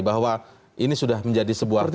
bahwa ini sudah menjadi sebuah